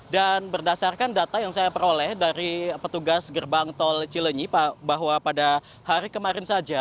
dan berdasarkan data yang saya peroleh dari petugas gerbang tol cilenyi bahwa pada hari kemarin saja